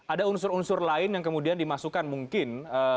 ada unsur unsur lain yang kemudian dimasukkan mungkin